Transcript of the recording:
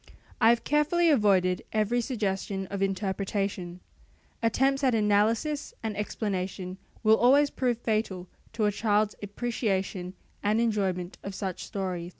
I have carefully avoided every suggestion of interpretation. Attempts at analysis and explanation will always prove fatal to a child's appreciation and enjoyment of such stories.